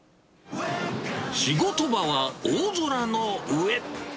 仕事場は大空の上。